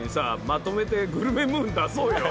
まとめて『グルメムーン』出そうよ。